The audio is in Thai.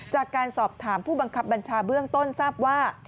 จากการสอบถามผู้บังคับบัญชาเบื้องต้นทราบว่า